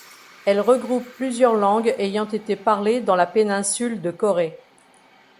Elle regroupe plusieurs langues ayant été parlées dans la péninsule de Corée.